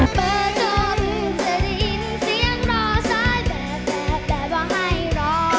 เปิดจบเธอจะยินเสียงรอซ้ายแบบแบบว่าให้รอ